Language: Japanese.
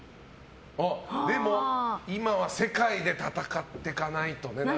でも、今は世界で戦ってかないとね。